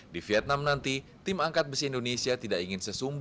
di vietnam nanti tim angkat besi indonesia tidak ingin sesungguhnya